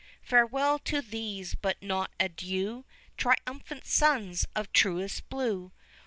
Farewell to these, but not adieu, 25 Triumphant sons of truest blue!